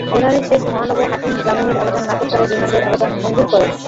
শুনানি শেষে মহানগর হাকিম জামিনের আবেদন নাকচ করে রিমান্ডের আবেদন মঞ্জুর করেন।